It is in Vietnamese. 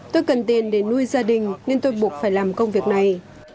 tôi cần tiền để nuôi gia đình nên tôi buộc phải làm công việc này